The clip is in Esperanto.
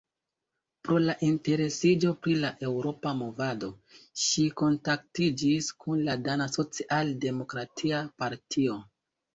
Pro la interesiĝo pri la eŭropa movado ŝi kontaktiĝis kun la dana socialdemokratia partio.